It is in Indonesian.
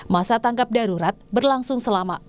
masa tanggap darurat berlangsung selama empat hari